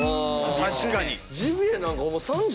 確かに。